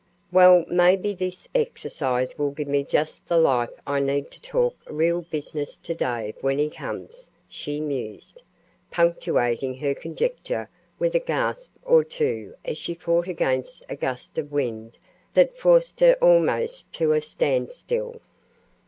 "Well, maybe this exercise will give me just the life I need to talk real business to Dave when he comes," she mused, punctuating her conjecture with a gasp or two as she fought against a gust of wind that forced her almost to a standstill.